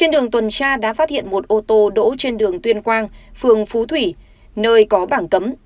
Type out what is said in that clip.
đã phát hiện một ô tô đỗ trên đường tuyên quang phường phú thủy nơi có bảng cấm